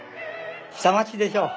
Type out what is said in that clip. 下町でしょう。